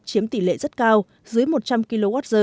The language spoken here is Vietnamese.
chiếm tỷ lệ rất cao dưới một trăm linh kwh